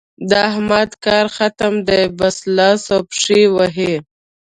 د احمد کار ختم دی؛ بس لاس او پښې وهي.